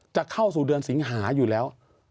จะเข้าสู่เดือนสิงหาอยู่แล้ว